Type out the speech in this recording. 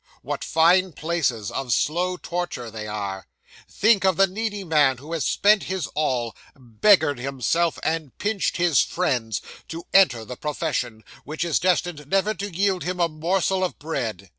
What fine places of slow torture they are! Think of the needy man who has spent his all, beggared himself, and pinched his friends, to enter the profession, which is destined never to yield him a morsel of bread.